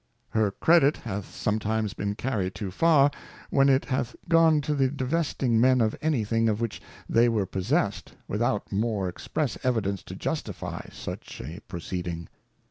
Her Credit hath sometimes been carried too far, when it hath gone to the divesting men of any thing of which they were possess'd, without more express evidence to justify such a proceeding.